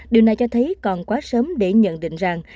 điều này cho thấy còn quá sớm để nhận định rằng